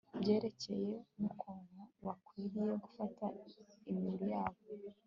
byerekeranye nukuntu bakwiriye gufata imibiri yabo